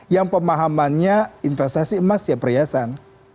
yang pemahamannya investasi emas ya perhiasan